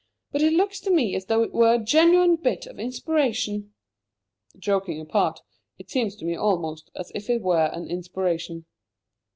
but it looks to me as though it were a genuine bit of inspiration." "Joking apart, it seems to me almost as if it were an inspiration."